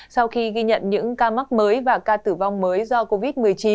sau khi ghi nhận những ca mắc mới và ca tử vong mới do covid một mươi chín